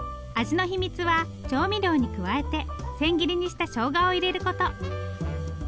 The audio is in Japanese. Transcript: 味の秘密は調味料に加えて千切りにしたしょうがを入れること。